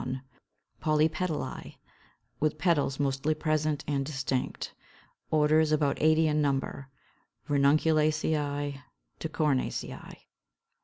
_ POLYPETALÆ, with petals mostly present and distinct. Orders about 80 in number, Ranunculaceæ to Cornaceæ.